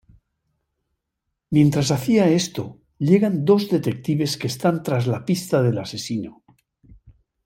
Mientras hacía esto, llegan dos detectives que están tras la pista del asesino.